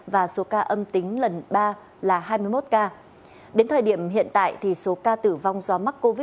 và số ca âm tính lần ba là hai mươi một ca đến thời điểm hiện tại thì số ca tử vong do mắc covid một mươi chín